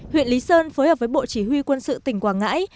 huyện lý sơn phối hợp với bộ chỉ huy quân sự tỉnh quảng ngãi